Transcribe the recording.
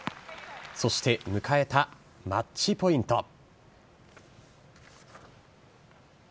そして迎えたマッチポイント。